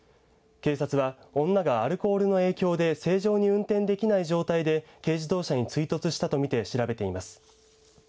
警察は女がアルコールの影響で正常に運転できない状態で軽自動車に追突したとみて調べています。